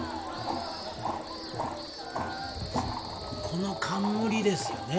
この冠ですよね。